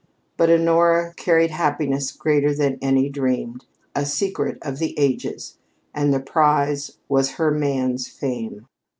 But Honora carried happiness greater than any dreamed, a secret of the ages, and the prize was her man's fame.